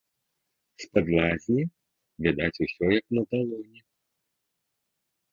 З-пад лазні відаць усё як на далоні.